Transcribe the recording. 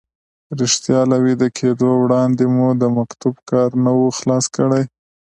رښتیا له ویده کېدو وړاندې مو د مکتوب کار نه و خلاص کړی.